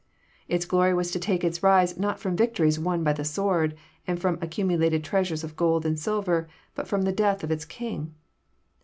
Its glory was to take its rise not from victories won by the sword, and from accumulated treasures of gold and silver, but from the death of its King.